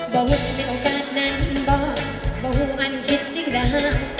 บ่หุ้นเป็นโอกาสนั้นฉันบอกบ่หุ้อันคิดจริงหรือห้าม